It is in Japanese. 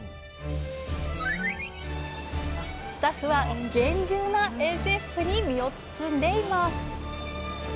スタッフは厳重な衛生服に身を包んでいます。